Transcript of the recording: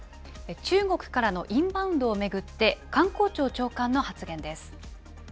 中国からのインバウンドを巡って、観光庁長官の発言です。